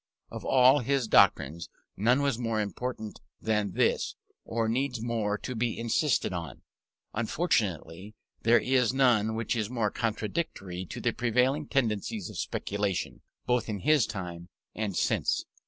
Of all his doctrines none was more important than this, or needs more to be insisted on; unfortunately there is none which is more contradictory to the prevailing tendencies of speculation, both in his time and since.